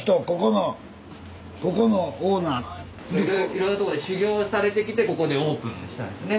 いろんなとこで修業されてきてここでオープンしたんですね。